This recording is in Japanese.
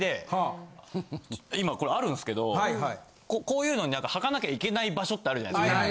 こういうのに履かなきゃいけない場所ってあるじゃないですか。